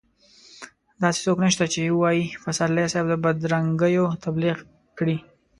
داسې څوک نشته چې ووايي پسرلي صاحب د بدرنګيو تبليغ کړی.